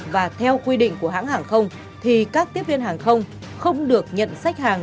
và theo quy định của hãng hàng không thì các tiếp viên hàng không không được nhận sách hàng